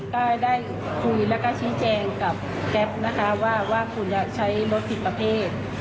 ก็ได้คุยแล้วก็ชี้แจงกับแก๊ฟว่าคุณจะใช้รถผิดมาเพศ